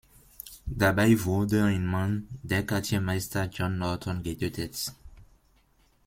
Dabei wurde ein Mann, der Quartiermeister John Norton, getötet.